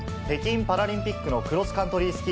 北京パラリンピックのクロスカントリー